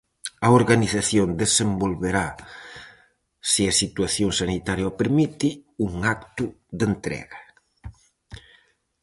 A organización desenvolverá, se a situación sanitaria o permite, un acto de entrega.